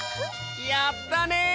やったね！